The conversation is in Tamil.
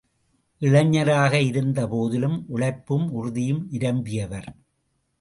இளைஞராக இருந்த போதிலும், உழைப்பும் உறுதியும் நிரம்பியவர்.